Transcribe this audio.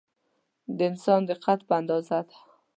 د انسان د قد په اندازه ده.